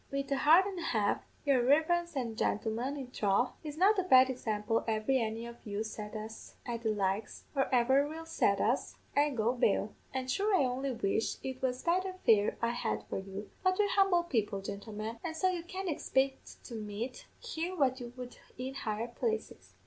"'Wid a heart an' a half, yer reverence an' gintlemen; in throth, it's not a bad example ever any of you set us at the likes, or ever will set us, I'll go bail. An' sure I only wish it was betther fare I had for you; but we're humble people, gintlemen, and so you can't expect to meet here what you would in higher places.'